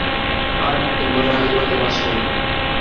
Han denboraldi bat eman zuen.